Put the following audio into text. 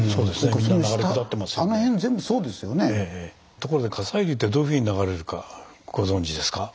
ところで火砕流ってどういうふうに流れるかご存じですか？